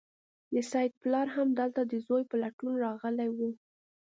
د سید پلار هم هلته د زوی په لټون راغلی و.